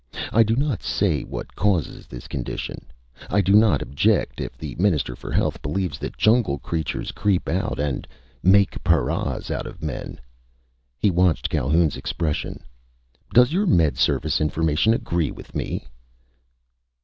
I do not say what causes this condition. I do not object if the Minister for Health believes that jungle creatures creep out and ... make paras out of men." He watched Calhoun's expression. "Does your Med Service information agree with me?"